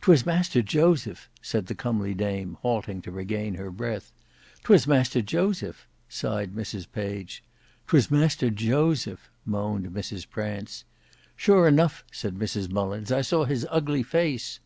"'Twas Master Joseph," said the comely dame halting to regain her breath. "'Twas Master Joseph," sighed Mrs Page. "'Twas Master Joseph," moaned Mrs Prance. "Sure enough," said Mrs Mullins, "I saw his ugly face."